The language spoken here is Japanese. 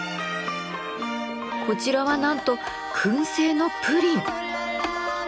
こちらはなんと燻製のプリン。